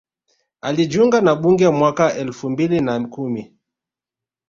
Alijiunga na bunge mwaka elfu mbili na kumi